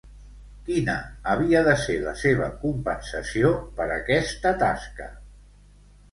Quina havia de ser la seva compensació per aquesta tasca?